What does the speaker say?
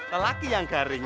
lelaki yang garing